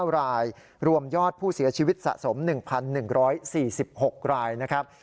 ๙รายรวมยอดผู้เสียชีวิตสะสม๑๑๔๖รายนะครับ